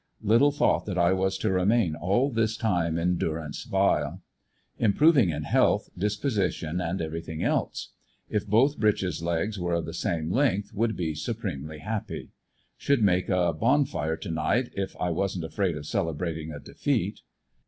Little thought that I was to remain all this time in durance vile. Improv ing in health, disposition and everything else. If both breeches legs were of the same length should be supremely happy. Should make a bon fire to night if I wasn't afraid of celebrating a defeat.